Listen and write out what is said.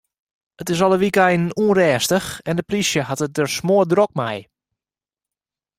It is alle wykeinen ûnrêstich en de polysje hat it der smoardrok mei.